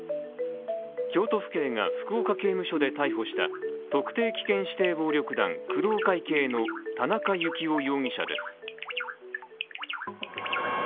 京都府警が、福岡刑務所で逮捕した特定危険指定暴力団・工藤会系の田中幸雄容疑者です。